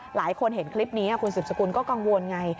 หลายคนเห็นคลิปนี้คุณสืบสกุลก็กังวลไง